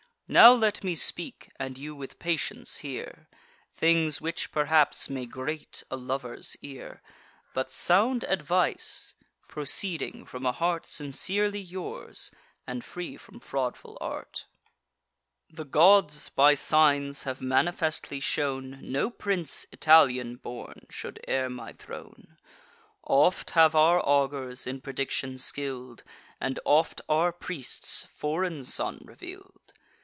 Now let me speak, and you with patience hear, Things which perhaps may grate a lover's ear, But sound advice, proceeding from a heart Sincerely yours, and free from fraudful art. The gods, by signs, have manifestly shown, No prince Italian born should heir my throne: Oft have our augurs, in prediction skill'd, And oft our priests, a foreign son reveal'd.